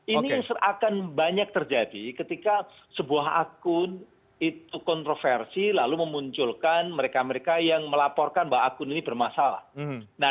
ini akan banyak terjadi ketika sebuah akun itu kontroversi lalu memunculkan mereka mereka yang melaporkan bahwa akun ini bermasalah